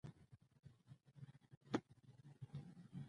شخصیت پراختیا د هر فرد لپاره یوه ژوندۍ اړتیا ده.